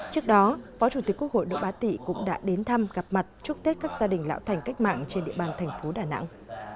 trước đó phó chủ tịch quốc hội đỗ bá tị cũng đã đến thăm gặp mặt chúc tết các gia đình lão thành cách mạng trên địa bàn thành phố đà nẵng